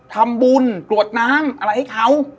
ทำบุญกรวดน้ำอะไรให้เขา